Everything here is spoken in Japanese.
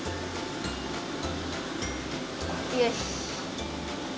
よし！